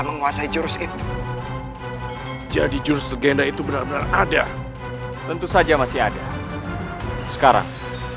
menguasai jurus itu jadi jurus legenda itu benar benar ada tentu saja masih ada sekarang